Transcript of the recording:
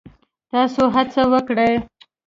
تاسو هڅه وکړئ